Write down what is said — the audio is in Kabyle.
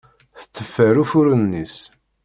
Tetteffer uffuren-is.